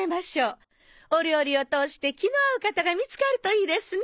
お料理を通して気の合う方が見つかるといいですね。